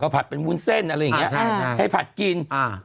ผัดเป็นบูนเส้นอะไรอย่างนี้ให้ผัดกิน